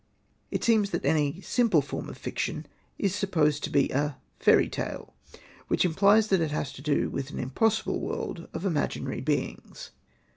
It seems that any simple form of fiction is supposed to be a " fairy tale :'' which implies that it has to do with an impossible world of imaginary beings.